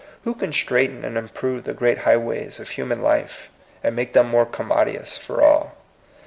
Who can straighten and improve the great highways of human life, and make them more com modious for all